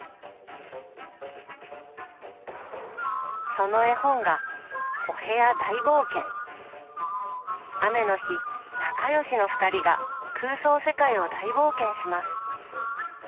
その絵本が雨の日仲良しの２人が空想世界を大冒険します。